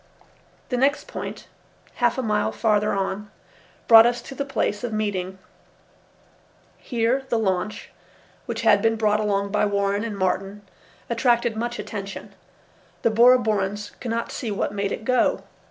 The next point, half a mile farther on, brought us to the place of meeting. Here the launch, which had been brought along by Warren and Martin, attracted much attention. The Bora Borans could not see what made it go.